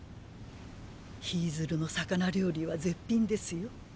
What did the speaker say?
ヒィズルの魚料理は絶品ですよ。